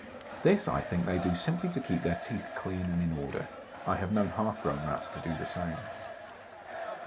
This, I think, they do simply to keep their teeth clean and in order; I have known half grown Rats to do the same.